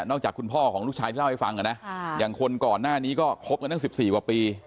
จากคุณพ่อของลูกชายที่เล่าให้ฟังนะอย่างคนก่อนหน้านี้ก็คบกันตั้ง๑๔กว่าปี